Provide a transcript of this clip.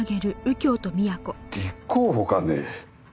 立候補かね？